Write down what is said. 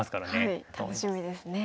はい楽しみですね。